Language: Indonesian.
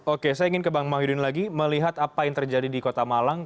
oke saya ingin ke bang mahyudin lagi melihat apa yang terjadi di kota malang